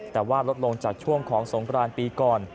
แต่ว่าลดลงจากช่วงของสงกรานปีก่อน